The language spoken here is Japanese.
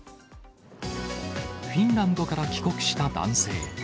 フィンランドから帰国した男性。